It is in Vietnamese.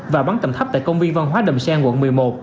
và bắn tầm thấp tại công viên văn hóa đầm xen quận một mươi một